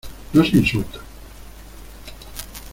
no se insulta.